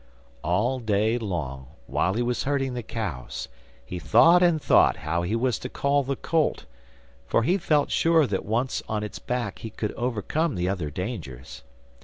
All day long, while he was herding the cows, he thought and thought how he was to call the colt, for he felt sure that once on its back he could overcome the other dangers.